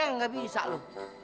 tidak bisa kamu